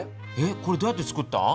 これどうやってつくった？